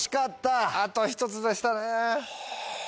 あと１つでしたね。